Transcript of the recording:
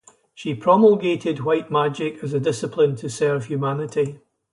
She promulgated White Magic as a discipline to serve humanity.